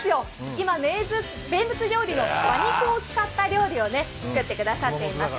今、名物料理の馬肉を使った料理を作ってくださっています。